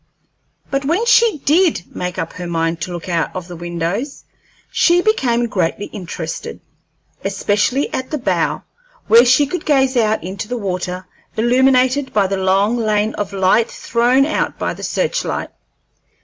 But when she did make up her mind to look out of the windows, she became greatly interested, especially at the bow, where she could gaze out into the water illuminated by the long lane of light thrown out by the search light.